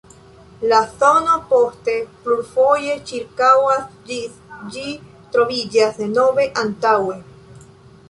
La zono poste plurfoje ĉirkaŭas, ĝis ĝi troviĝas denove antaŭe.